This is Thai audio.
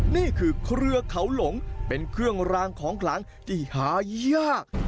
เครือเขาหลงเป็นเครื่องรางของขลังที่หายาก